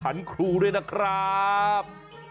ครูด้วยนะครับ